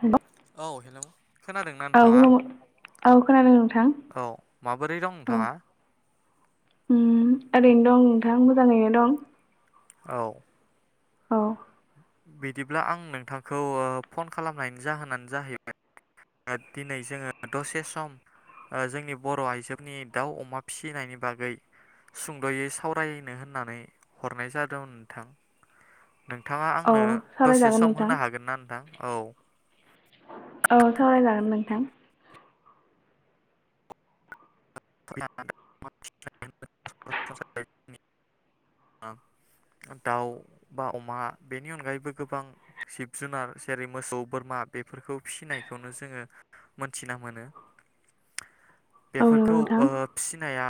हेल' औ हेलौ खोनादोंना औ नोंथाङा? खुलुम औ खोनादों नोंथां औ माबोरै दं औ नोंथाङा? उम ओरैनो दं नोंथां मोजाङैनो दं। औ। औ। बिदिब्ला आं नोंथांखौ फन खालामनायनि जाहोनानो जाहैबाय दिनै जोङो दसे सम ओ जोंनि बर' आइजोनि दाउ अमा फिसिनायनि बागै सुंद'यै सावरायनो होननानै हरनाय जादोंमोन नोंथां। नोंथाङा औ आंनो दसे सावरायजागोन सम नोंथां होनो हागोन ना नोंथां? औ। औ सावरायजागोन नोंथां। [unintelligible] दाउ बा अमा बेनि अनगायैबो गोबां जिब जुनार जेरै मोसौ बोरमा बेफोरखौ फिनायखौनो जोङो मोन्थिना मोनो। औ नंगौ बेफोरखौ नोंथां ओ फिनाया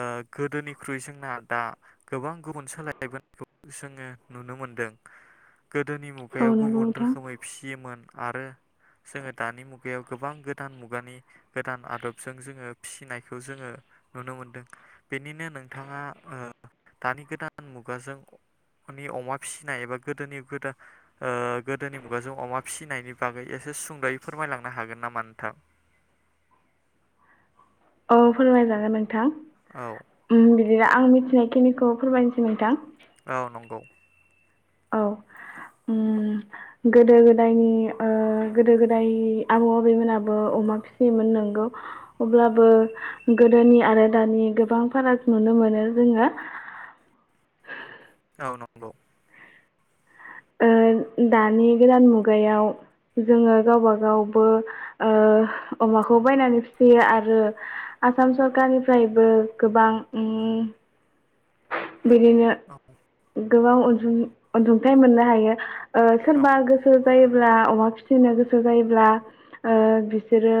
ओ गोदोनिख्रुइ जोंना दा गोबां गुबुन सोलाय [unintelligible] बोनायखौ जोङो नुनो मोनदों। गोदोनि औ मुगायाव नंगौ गुबुन नोंथां रोखोमै फियोमोन। आरो जोङो दानि मुगायाव गोबां गोदान मुगानि गोदान आदबजों जोङो फिसिनायखौ जोङो नुनो मोनदों। बेनिनो नोंथाङा दानि गोदान मुगाजों अमा फिसिनाय एबा गोदोनि गोदान ओ गोदोनि मुगाजों अमा फिसिनायनि बागै एसे सुंद'यै फोरमायलांनो हागोन नामा नोंथां? औ फोरमायजागोन नों थां। औ उम आं मिथिनायखिनिखौ फोरमायनोसै नोंथां। औ नंगौ। औ उम गोदो गोदायनि ओ गोदो गोदायनि आबौ आबैमोनाबो अमा फिसियोमोन नंगौ। अब्लाबो गोदोनि आरो दानि गोबां फाराग नुनो मोनो जोङो। ओ नंगौ। ओ दानि गोदान मुगायाव जोङो गावबागावबो ओ अमाखौ बायनानै फिसियो आरो आसाम सरखारनिफ्रायबो गोबां उम बिदिनो औ गोबां अनअनसुंथाइ मोननो हायो। ओ औ सोरबा गोसो जायोब्ला अमा फिसिनो गोसो जायोब्ला ओ बिसोरो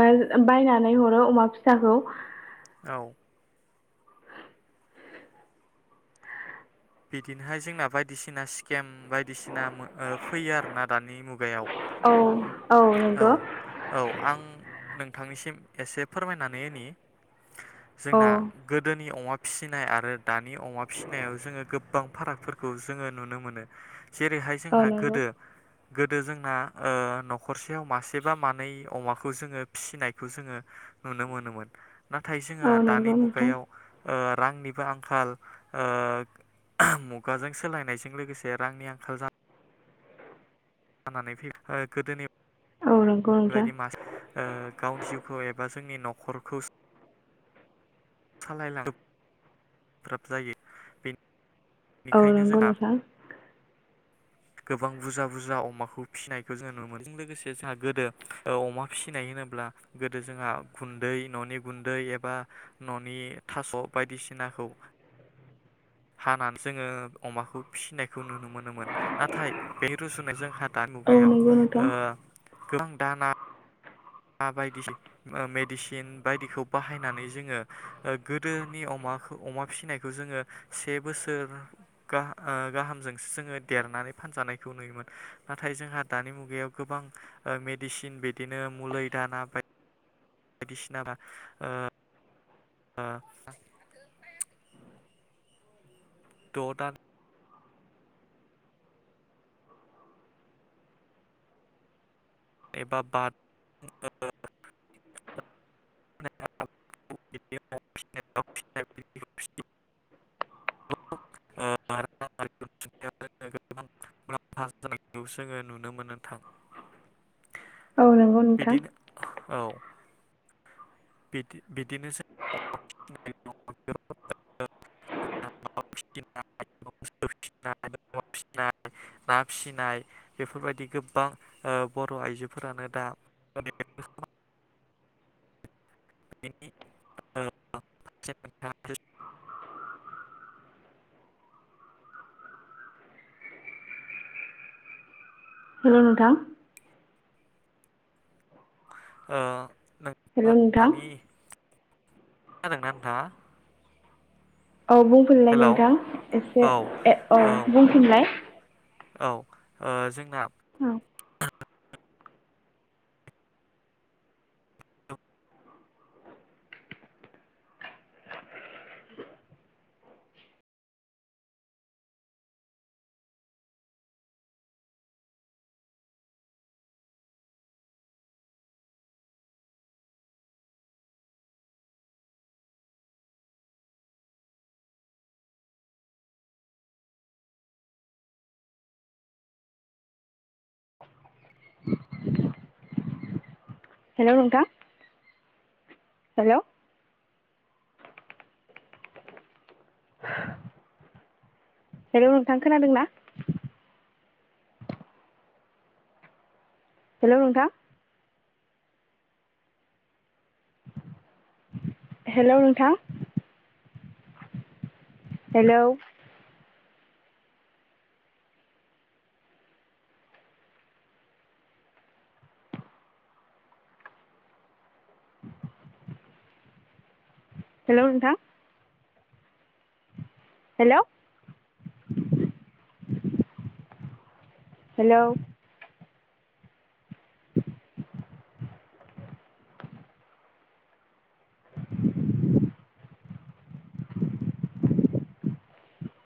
बाय-बायनानै हरो अमा फिसाखौ। औ। बिदिनोहाय जोंना बायदिसिना स्केम बायदिसिना फैयो आरोना दानि मुगायाव। औ औ नोंगौ। औ आं नोंथांनिसिम एसे फोरमायनानै होनि। औ जोंना गोदोनि अमा फिसिनाय आरो दानि अमा फिसिनायाव जोङो गोबां फारागफोरखौ जोङो नुनो मोनो। जेरैहाय औ जोंहा नंगौ गोदो गोदो जोंना ओ नखरसेयाव मासेबा मानै अमाखौ जोङो फिसिनायखौ जोङो नुनो मोनोमोन। नाथाय औ जोंहा नंगौ दानि नोंथां मुगायाव ओ रांनिबो आंखाल ओ मुगाजों सोलायनायजों लोगोसे रांनि आंखाल जानाय जानानै फै ओ गोदोनि औ नंगौ नोंथां बेबायदि मास ओ गावनि जिउ खौ एबा जोंनि न'खरखौ सालायलांनो गोब्राब जायो बेन औ नोंगौ नोंथां गोबां बुरजा बुरजा अमाखौ फिसिनायखौ जोंङो नुनो मोनो बेजों लोगोसे जोंहा गोदो अमा फिसिनाय होनोब्ला गोदो जोंहा गुन्दै न'नि गुन्दै एबा न'नि थास' बायदिसिनाखौ हानानै जोङो अमाखौ फिसिनायखौ नुनो मोनो नाथाय बे रुजुनायजों जोंहा दानि औ मुगायाव नंगौ नोंथां ओ गोबां दाना मा बायदिसि मेडिसिन बायदिखौ बाहायनानै जोङो ओ गोदोनि अमाखौ अमा फिसिनायखौ जोङो से बोसोर गाहाय ओ गाहामजोंसो जोङो देरनानै फानजानायखौ नुयोमोन नाथाय जोंहा दानि मुगायाव गोबां मेडिसिन बिदिनो मुलै दाना बा यदिसि ओ ओ द दान एबा बाद [unintelligible] [unintelligible] [unintelligible] गोबां मुलाम्फा जानायखौ जोङो नुनो मोनो नोंथां। औ नंगौ नोंथां बिदिनो औ बि बिदिनो [unintelligible] [unintelligible] फिसिनाय बेफोरबायदि गोबां बर' आइजोफोरानो दा [unintelligible] [unintelligible] हेल नोंथां ओ नों हेल' [unintelligible] नोंथां दानि। खोनादोंना नोंथां? औ बुंफिनलाय नोंथां एसे औ ए औ बुंफिनलाय औ ओह जोंना औ। हेलौ नोंथां हेलौ [inaudible] हेलौ नोंथां खोनादों ना? हेलौ नोंथां। हेलौ नोंथां हेलौ हेलौ नोंथां हेलौ हेलौ [inaudible]